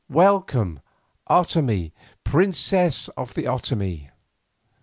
Welcome, Otomie, princess of the Otomie!"